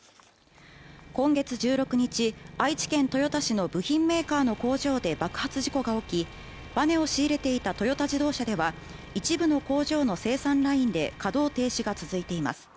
今月１６日愛知県豊田市の部品メーカーの工場で爆発事故が起きバネを仕入れていたトヨタ自動車では一部の工場の生産ラインで稼働停止が続いています